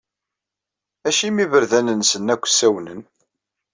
Acimi iberdan-nsen akk ssawnen?